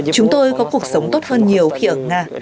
chúng tôi có cuộc sống tốt hơn nhiều khi ở nga